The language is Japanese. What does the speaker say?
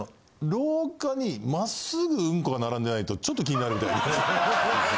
廊下に真っすぐうんこが並んでないとちょっと気になるみたいで。